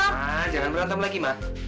ma jangan berantem lagi ma